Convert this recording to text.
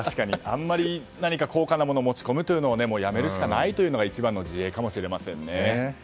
あんまり何か高価なものを持ち込むのをやめるしかないというのが一番の自衛かもしれませんね。